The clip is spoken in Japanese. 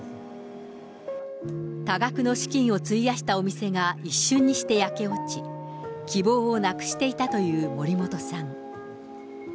多額の資金を費やしたお店が一瞬にして焼け落ち、希望をなくしていたという森本さん。